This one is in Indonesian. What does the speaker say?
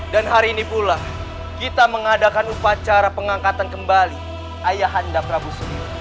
dan hari ini pula kita mengadakan upacara pengangkatan kembali ayahanda prabu suni